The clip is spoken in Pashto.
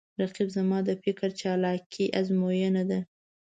رقیب زما د فکر چالاکي آزموینه ده